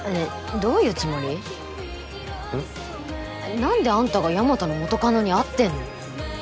何であんたが大和の元カノに会ってんの？